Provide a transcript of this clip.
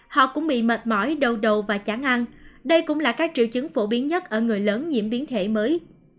họ cũng bị mệt mỏi đầu và chán ăn đây cũng là các triệu chứng phổ biến nhất ở người lớn nhiễm biến thể mới